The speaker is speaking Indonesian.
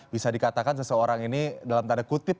bisa dikatakan seseorang ini dalam tanda kutip